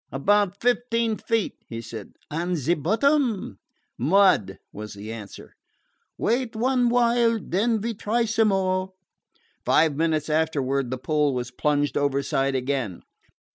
"About fifteen feet," he said. "What ze bottom?" "Mud," was the answer. "Wait one while, den we try some more." Five minutes afterward the pole was plunged overside again.